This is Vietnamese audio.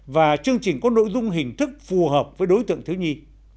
và chương trình có nội dung hình thức phù hợp với đối tượng thiếu nhi